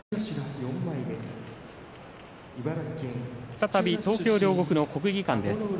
再び東京・両国の国技館です。